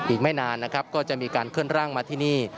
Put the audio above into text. อีกไม่นานนะครับก็จะมีการเคลื่อนร่างมาที่นี่